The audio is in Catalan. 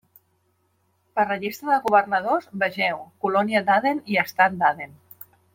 Per la llista de governadors, vegeu: colònia d'Aden i estat d'Aden.